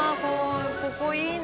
ここいいな。